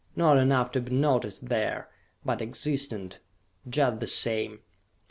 Not enough to be noticed there, but existant, just the same.